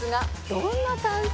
どんな感想？